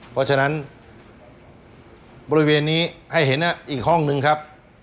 เพราะฉะนั้นบริเวณนี้ให้เห็นอีกห้องนึงครับ